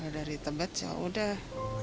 dari tebet yaudah